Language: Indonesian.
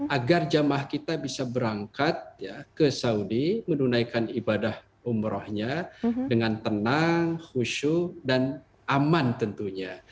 agar jamaah kita bisa berangkat ke saudi menunaikan ibadah umrohnya dengan tenang khusyuk dan aman tentunya